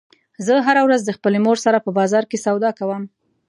زه هره ورځ د خپلې مور سره په بازار کې سودا کوم